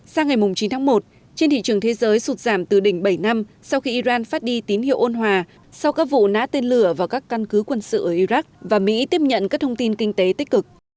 sang ngày chín tháng một trên thị trường thế giới sụt giảm từ đỉnh bảy năm sau khi iran phát đi tín hiệu ôn hòa sau các vụ ná tên lửa vào các căn cứ quân sự ở iraq và mỹ tiếp nhận các thông tin kinh tế tích cực